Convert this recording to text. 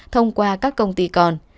thông qua các công ty còn